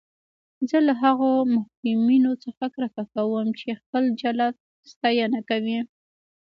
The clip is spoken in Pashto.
زه له هغو محکومینو څخه کرکه کوم چې خپل جلاد ستاینه کوي.